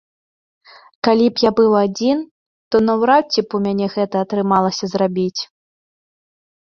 Калі б я быў адзін, то наўрад ці б у мяне гэта атрымалася зрабіць.